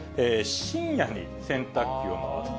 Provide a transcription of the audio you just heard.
深夜に洗濯機を回す。